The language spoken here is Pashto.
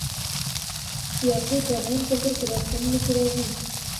یاقوت د افغان کلتور په داستانونو کې راځي.